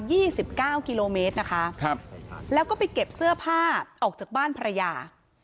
สิบเก้ากิโลเมตรนะคะครับแล้วก็ไปเก็บเสื้อผ้าออกจากบ้านภรรยา